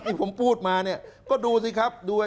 ที่ผมพูดมาเนี่ยก็ดูสิครับ